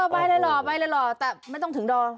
ไปเลยหล่อไปเลยหล่อแต่ไม่ต้องถึงดอง